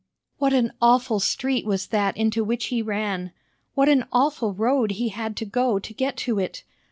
What an awful street was that into which he ran! What an awful road he had to go to get to it!